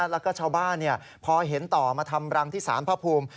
แล้วก็ชาวบ้านพอเห็นต่อมาทำรังที่สารพระภูมิ